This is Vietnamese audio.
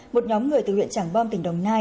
một nhóm người từ huyện trảng bom tỉnh đồng nai